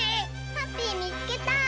ハッピーみつけた！